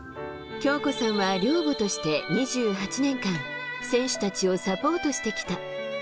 京子さんは寮母として２８年間、選手たちをサポートしてきた。